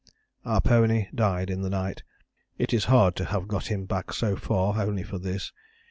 Our pony died in the night. It is hard to have got him back so far only for this.